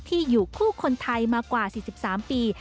อยู่คู่คนไทยมากว่า๔๓ปี